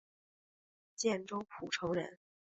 建州浦城人。